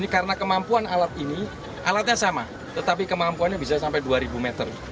karena kemampuan alat ini alatnya sama tetapi kemampuannya bisa sampai dua ribu meter